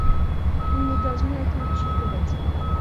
И мы должны это учитывать.